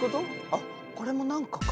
あっこれもなんかか。